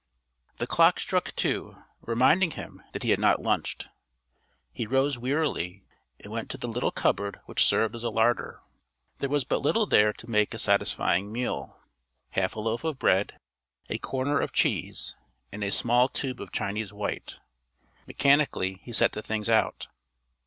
The clock struck two, reminding him that he had not lunched. He rose wearily and went to the little cupboard which served as a larder. There was but little there to make a satisfying meal half a loaf of bread, a corner of cheese, and a small tube of Chinese white. Mechanically he set the things out....